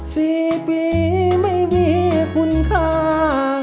สี่ปีไม่มีคุณค่า